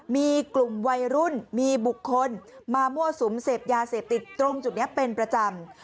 มีกลุ่มวัยรุ่นมีบุคคลมามั่วสุมเสพยาเสพติดตรงจุดนี้เป็นประจำ